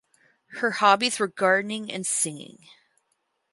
Her hobbies were gardening and singing.